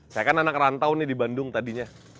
saya kan anak rantau nih di bandung tadinya